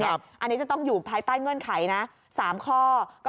อันนี้จะต้องอยู่ภายใต้เงื่อนไขนะ๓ข้อ